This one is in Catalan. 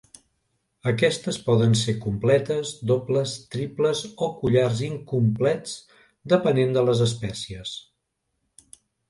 Aquestes poden ser completes, dobles, triples o collars incomplets, depenent de les espècies.